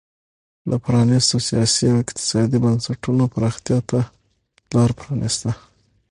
د پرانیستو سیاسي او اقتصادي بنسټونو پراختیا ته لار پرانېسته.